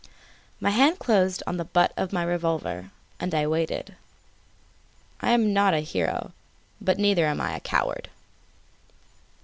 My hand closed on the butt of my revolver and I waited. I am not a hero; but neither am I a coward.